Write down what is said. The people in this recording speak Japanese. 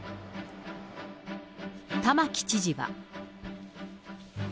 玉城知事は。